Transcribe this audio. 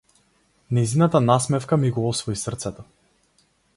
Нејзината насмевка ми го освои срцето.